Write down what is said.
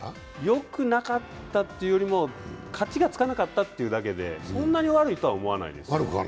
よくなかったというよりも、勝ちがつかなかったというだけでそんなに悪いとは思わないです。